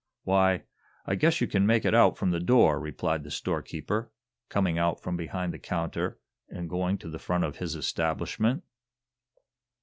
"Why, I guess you can make it out from the door," replied the storekeeper, coming out from behind the counter and going to the front of his establishment.